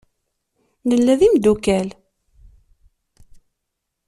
Nella d imdukal.